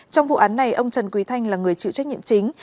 trong vụ án này ông trần quý thanh là người chịu trách nhiệm chính